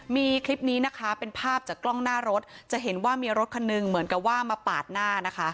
มีคลิปนี้นะคะเป็นภาพจากกล้องหน้ารถจะเห็นว่ามีรถคันหนึ่งเหมือนกับว่ามาปาดหน้านะคะ